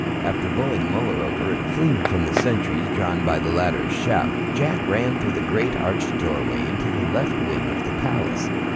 After bowling Muller over and fleeing from the sentries drawn by the latter's shout, Jack ran through the great arched doorway into the left wing of the palace.